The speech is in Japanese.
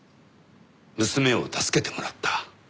娘を助けてもらった。